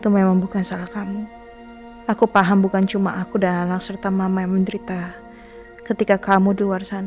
mas ma aku mau ngobrol dulu